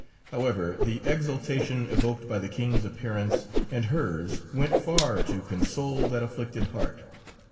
However, the exultation evoked by the King's appearance and hers went far to console that afflicted heart.